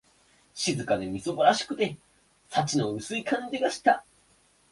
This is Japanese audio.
静かで、みすぼらしくて、幸の薄い感じがした